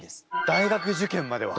大学受験までは？